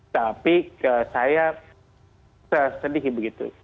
tapi saya sedih begitu